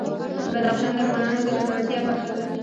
بدخشان د افغانانو د ګټورتیا برخه ده.